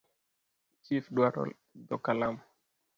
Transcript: Chif dwaro dho kalam.